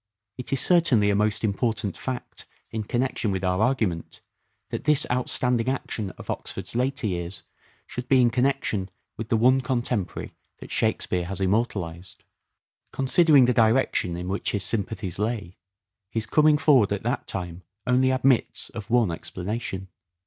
It is certainly a most important fact in connection with our argument that this outstanding action of Oxford's later years should be in connection with the one contemporary that " Shakespeare " has immortalized. Considering the direction in which his sympathies lay, his coming forward at that time only admits of one explanation.